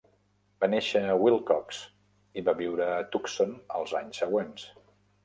Va néixer a Willcox i va viure a Tucson els anys següents.